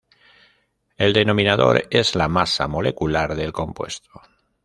El denominador es la masa molecular del compuesto.